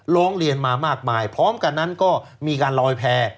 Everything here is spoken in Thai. ร้องเรียนมามากมายพร้อมกันนั้นก็มีการลอยแพร่